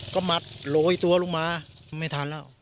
ก็หมัดโรยตัวลงมาไม่ทันแล้ว